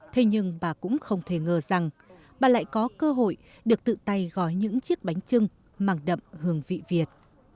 thế nhưng bà cũng không thể ngờ rằng bà lại có cơ hội được tự tay gói những chiếc bánh trưng mang đậm hương vị việt